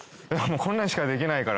こんなんしかできないから。